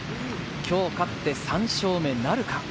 今日勝って３勝目なるか？